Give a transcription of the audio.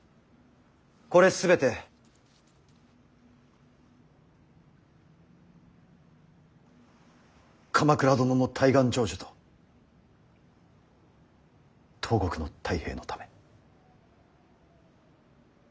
これ全て鎌倉殿の大願成就と東国の太平のため」。